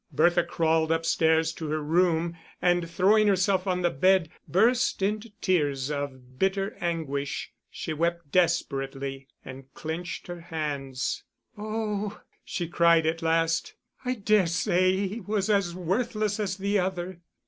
Bertha crawled upstairs to her room, and throwing herself on the bed, burst into tears of bitter anguish. She wept desperately, and clenched her hands. "Oh," she cried at last, "I dare say he was as worthless as the other."